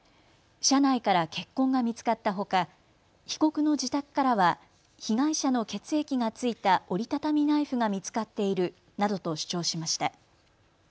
車内から血痕が見つかったほか被告の自宅からは被害者の血液がついた折り畳みナイフが見つかっているなどと主張しました。